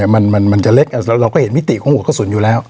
มันจะเล็กเราก็เห็นมิติของหัวกระสุนอยู่แล้ว